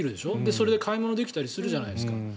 それで買い物できたりするじゃないですか。